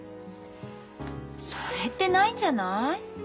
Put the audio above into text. それってないんじゃない？